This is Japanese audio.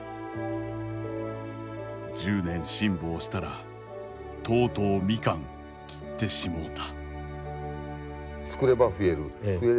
十年辛抱したらとうとうみかん伐ってしもうた」。